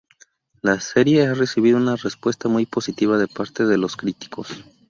La serie ha recibido una respuesta muy positiva de parte de los críticos.